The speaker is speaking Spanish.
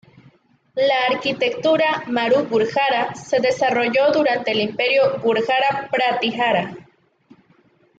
La arquitectura māru-gurjara se desarrolló durante el Imperio gurjara-pratihara.